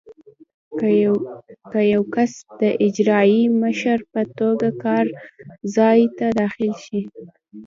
که یو کس د اجرایي مشر په توګه کار ځای ته داخل شي.